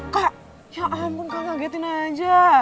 kak ya ampun kagetin aja